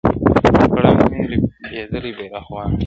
• پر اټک مي رپېدلی بیرغ غواړم -